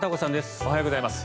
おはようございます。